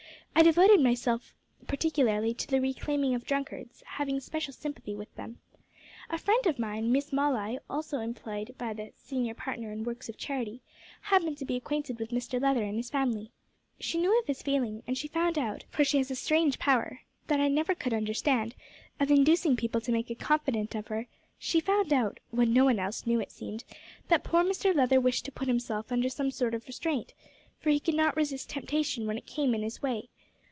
I devoted myself particularly to the reclaiming of drunkards having special sympathy with them. A friend of mine, Miss Molloy, also employed by the senior partner in works of charity, happened to be acquainted with Mr Leather and his family. She knew of his failing, and she found out for she has a strange power, that I never could understand, of inducing people to make a confidant of her, she found out (what no one else knew, it seems) that poor Mr Leather wished to put himself under some sort of restraint, for he could not resist temptation when it came in his way.